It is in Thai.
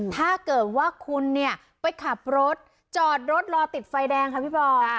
ถ้าเกิดว่าคุณไปขับรถจอดรถรอติดไฟแดงครับพี่ปอล์